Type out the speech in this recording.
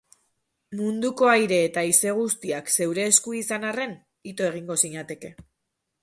munduko aire eta haize guztiak zeure esku izan arren, ito egingo zinateke